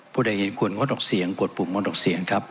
ผู้ใดเห็นควรงดออกเสียงกดปุ่มงดออกเสียงครับ